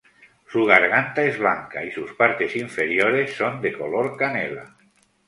Su garganta es blanca y sus partes inferiores son de color canela.